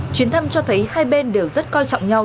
chuyến thăm cho thấy hai bên đều rất coi trọng nhau